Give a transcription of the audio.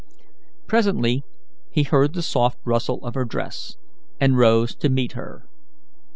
Presently he heard the soft rustle of her dress, and rose to meet her.